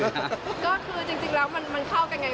ก็คือจริงแล้วมันเข้ากันไง